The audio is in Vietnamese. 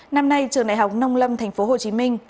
năm nay trường đại học nông lâm tp hcm